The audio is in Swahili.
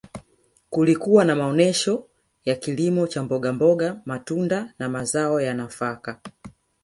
kulikuwa na maonesho ya kilimo cha mbogamboga matunda na mazao ya nafaka